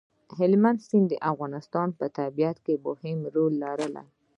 هلمند سیند د افغانستان په طبیعت کې مهم رول لري.